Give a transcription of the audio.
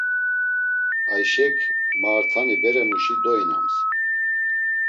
Ayşek maartani beremuşi doinams.